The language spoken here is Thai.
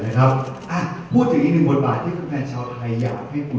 ว่าเคยได้ยินคุณวิวสองบอกว่าเฮ้ยตัวเองอ่ะไม่เหมาะกับความยอดอยู่